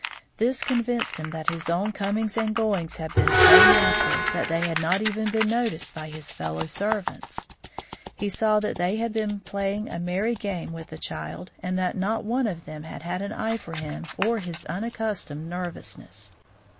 This convinced him that his own comings and goings had been so natural that they had not even been noticed by his fellow servants. He saw that they had been playing a merry game with the child, and that not one of them had had an eye for him or his unaccustomed nervousness.